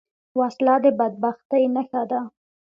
وسله د بدبختۍ نښه ده